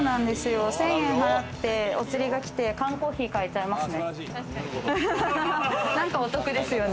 １０００円払ってお釣りが来て缶コーヒー買えちゃいますね。